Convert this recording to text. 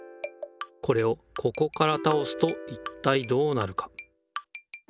これをここから倒すといったいどうなるか？